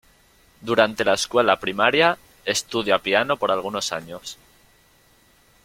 Durante la escuela primaria estudia piano por algunos años.